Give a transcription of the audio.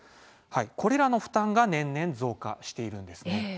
これらの負担が年々増加しているんですね。